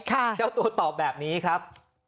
เจ้าตัวตอบแบบนี้ครับ